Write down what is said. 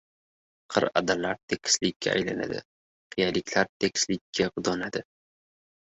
qir-adirlar tekislikka aylanadi, qiyaliklar tekislikka do‘nadi.